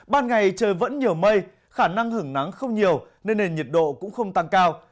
ban ngày trời vẫn nhiều mây khả năng hứng nắng không nhiều nên nền nhiệt độ cũng không tăng cao